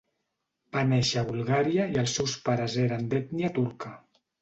Va néixer a Bulgària i els seus pares eren d"ètnia turca.